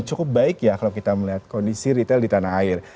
cukup baik ya kalau kita melihat kondisi retail di tanah air